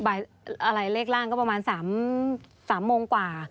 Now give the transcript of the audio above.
อะไรเลขร่างก็ประมาณ๓โมงกว่า